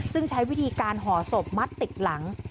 ซึ่งใช้วิธีการห่อศพมัดติดหลัง